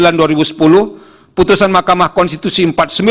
dan putusan mahkamah konstitusi lima puluh enam dua ribu dua belas